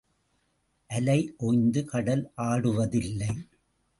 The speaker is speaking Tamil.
அலை ஒய்ந்து கடல் ஆடுவது இல்லை.